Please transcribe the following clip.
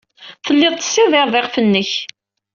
Tellid tessidired iɣef-nnek.